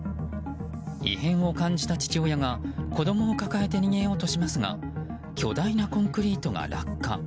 異変を感じた父親が子供を抱えて逃げようとしますが巨大なコンクリートが落下。